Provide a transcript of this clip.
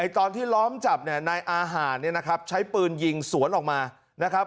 ตอนที่ล้อมจับเนี่ยนายอาหารเนี่ยนะครับใช้ปืนยิงสวนออกมานะครับ